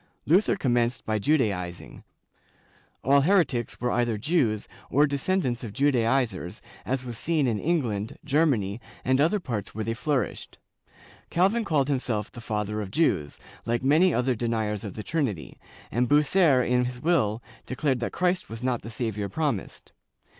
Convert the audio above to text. Luther commenced by Judaizing; all heretics were either Jews or descendants of Judaizers, as was seen in England, Germany and other parts where they flourished; Calvin called himself the Father of Jews, like many other deniers of the Trinity, and Bucer in his will declared that Christ was not the Savior promised.